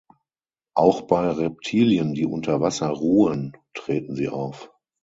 Auch bei Reptilien, die unter Wasser ruhen, treten sie auf.